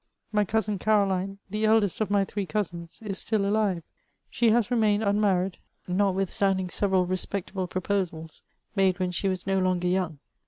My cousin Caroline, the eldest of my three cousins, is still alive. She has remained unmarried, notwith standing several respectable proposals, made when she was no longer young.